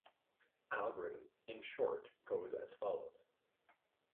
Algorithm in short goes as follows.